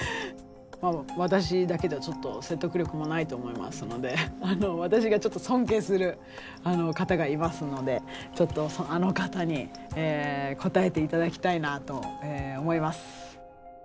私だけではちょっと説得力もないと思いますので私が尊敬する方がいますのでちょっとあの方に答えて頂きたいなと思います。